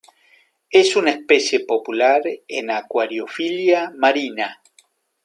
Es una especie popular en acuariofilia marina.